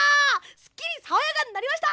すっきりさわやかになりました！